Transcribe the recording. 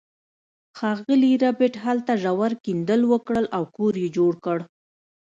ښاغلي ربیټ هلته ژور کیندل وکړل او کور یې جوړ کړ